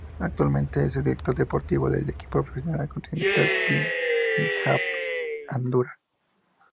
Actualmente es director deportivo del equipo profesional continental Team NetApp-Endura.